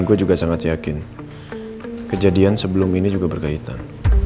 gue juga sangat yakin kejadian sebelum ini juga berkaitan